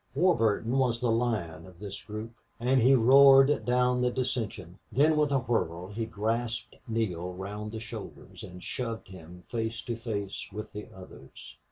Warburton was the lion of this group, and he roared down the dissension. Then with a whirl he grasped Neale round the shoulders and shoved him face to face with the others.